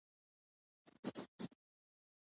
د وزیرانو شورا پریکړې کوي